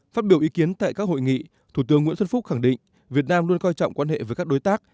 phát biểu ý kiến tại các hội nghị thủ tướng nguyễn xuân phúc khẳng định việt nam luôn coi trọng quan hệ với các đối tác